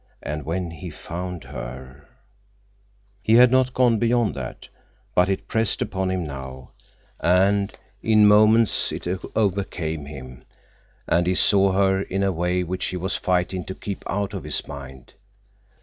And when he found her— He had not gone beyond that. But it pressed upon him now, and in moments it overcame him, and he saw her in a way which he was fighting to keep out of his mind.